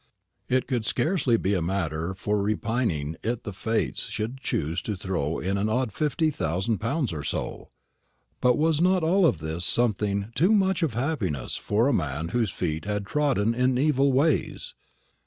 It could scarcely be a matter for repining it the Fates should choose to throw in an odd fifty thousand pounds or so. But was not all this something too much of happiness for a man whose feet had trodden in evil ways?